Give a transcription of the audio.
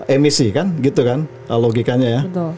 empat puluh emisi kan gitu kan logikanya ya